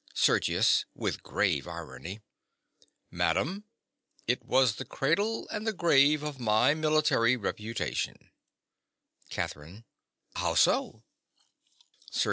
SERGIUS. (with grave irony). Madam: it was the cradle and the grave of my military reputation. CATHERINE. How so?